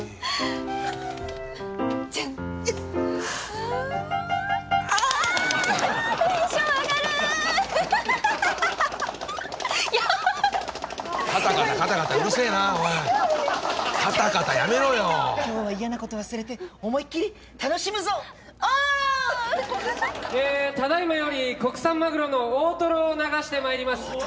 ええただいまより国産マグロの大トロを流してまいります。